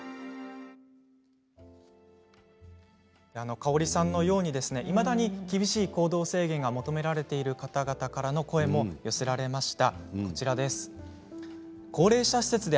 かおりさんのようにいまだに厳しい行動制限が求められている方々からの声も寄せられました。